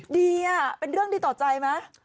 เป็นเรื่องดีต่อใจไหม